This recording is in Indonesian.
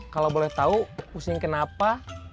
kalau boleh tahu pusing kenapa